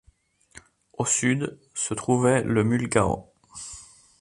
Au sud se trouvait le Mühlgau.